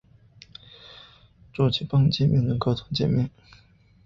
主机埠介面的沟通介面。